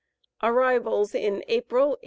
ARRIVALS IN APRIL, 1856.